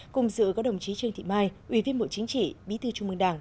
cùng dự có đồng chí trương thị mai ủy viên bộ chính trị bí thư trung mương đảng